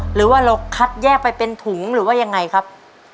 หรือว่าเราคัดแยกไปเป็นถุงหรือว่ายังไงครับ